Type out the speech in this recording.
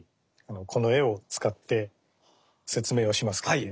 この絵を使って説明をしますけれども。